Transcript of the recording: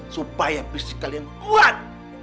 supaya physique kalian kuat